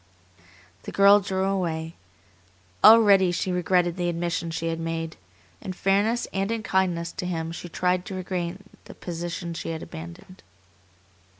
The girl drew away. Already she regretted the admission she had made. In fairness and in kindness to him she tried to regain the position she had abandoned.